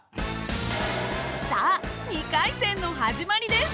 さあ２回戦の始まりです！